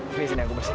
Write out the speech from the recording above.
sini sini aku bersih